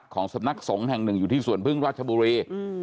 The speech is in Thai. สำนักสงฆ์แห่งหนึ่งอยู่ที่สวนพึ่งราชบุรี